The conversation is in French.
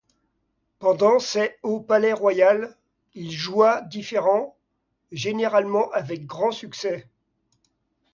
Pendant ses au Palais-Royal, il joua différents, généralement avec grand succès.